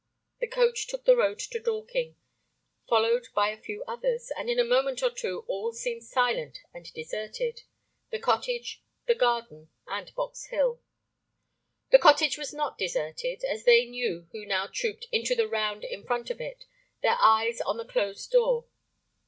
The coach took the road to Dorking, followed by a few others, and in a moment or two all seemed silent and deserted, the cottage, the garden, and Box Hill. [Pg 8]The cottage was not deserted, as they knew who now trooped into the round in front of it, their eyes on the closed door.